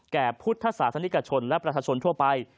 พุทธศาสนิกชนและประชาชนทั่วไป